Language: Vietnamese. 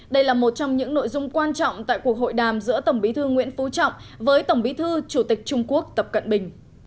đây là một trong những nội dung quan trọng tại cuộc hội đàm giữa tổng bí thư nguyễn phú trọng với tổng bí thư chủ tịch trung quốc tập cận bình